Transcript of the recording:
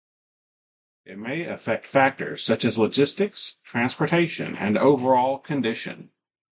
It may affect factors such as logistics, transportation, and overall coordination.